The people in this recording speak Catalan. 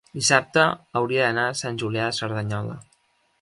dissabte hauria d'anar a Sant Julià de Cerdanyola.